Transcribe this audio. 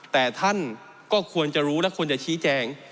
แต่ท่านก็ควรจะรู้และควรจะชี้แจง